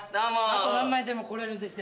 あと何枚でも来れるんですよ。